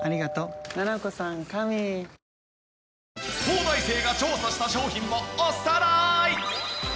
東大生が調査した商品をおさらい！